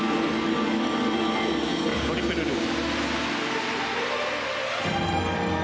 トリプルループ。